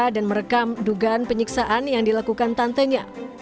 dan merekam dugaan penyiksaan yang dilakukan tantanya